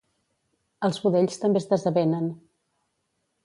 Els budells també es desavenen.